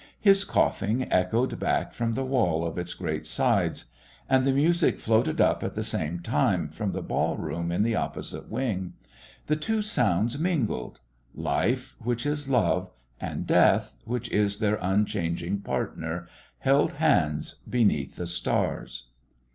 His coughing echoed back from the wall of its great sides.... And the music floated up at the same time from the ball room in the opposite wing. The two sounds mingled. Life, which is love, and Death, which is their unchanging partner, held hands beneath the stars.